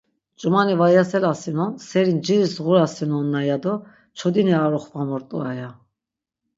Ç̌umani va yaselasinon, seri nciris ğurasinonna ya do çodini ar oxvamu rt̆u aya.